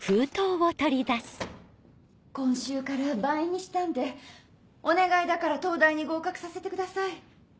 今週から倍にしたんでお願いだから東大に合格させてください。